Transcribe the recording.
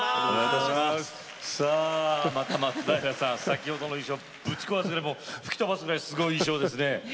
さあまた松平さん先ほどの印象をぶち壊す吹き飛ばすぐらいすごい衣装ですね。